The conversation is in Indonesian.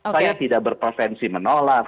saya tidak berprevensi menolak